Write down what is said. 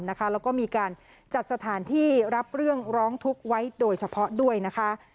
แล้วก็มีการจัดสถานที่รับเรื่องร้องทุกข์ไว้โดยเฉพาะด้วยนะคะ